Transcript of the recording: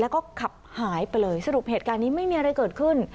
แล้วก็ขับหายไปเลยสรุปเหตุการณ์นี้ไม่มีอะไรเกิดขึ้น